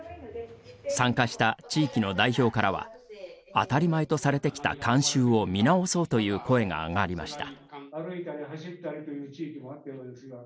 参加した地域の代表からは当たり前とされてきた慣習を見直そうという声が上がりました。